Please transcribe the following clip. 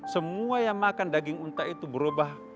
semua yang makan daging unta itu berubah